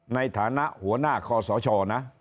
ในฐานะหัวหน้าคอสชนะ